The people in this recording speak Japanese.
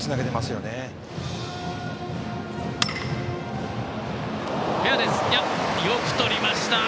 よくとりました！